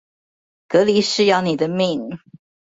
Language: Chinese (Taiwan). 隔離是要你的命